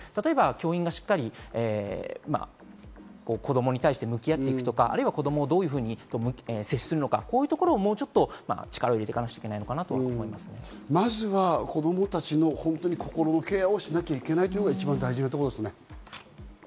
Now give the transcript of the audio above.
教員がしっかり子供に対して向き合っていくとか、子供とどういうふうに接するのか、こういうところ、もうちょっと力を入れてかなくちゃいけないのかまずは子供たちの心のケアをしなくちゃいけないというのが大事なところですね。